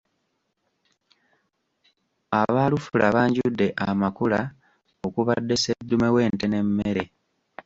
Aba Lufula banjudde amakula okubadde sseddume w’ente n’emmere.